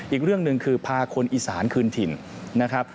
อีกเรื่องหนึ่งคือพาคนอีสานคืนถิ่นนะครับ